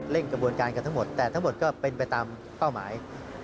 กระบวนการกันทั้งหมดแต่ทั้งหมดก็เป็นไปตามเป้าหมาย